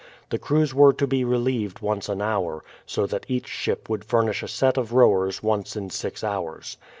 The crews were to be relieved once an hour, so that each ship would furnish a set of rowers once in six hours.